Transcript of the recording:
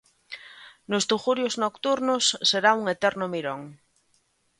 Nos tugurios nocturnos será un eterno mirón.